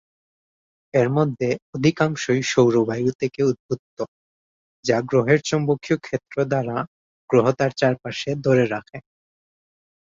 এর মধ্যে অধিকাংশই সৌর বায়ু থেকে উদ্ভূত, যা গ্রহের চৌম্বকীয় ক্ষেত্র দ্বারা গ্রহ তার চারপাশে ধরে রাখে।